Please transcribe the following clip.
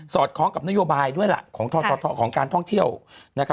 สอดคล้องกับนโยบายด้วยของการท่องเที่ยวนะครับ